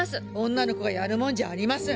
女の子がやるもんじゃありません。